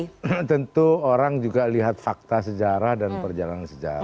ya tentu orang juga lihat fakta sejarah dan perjalanan sejarah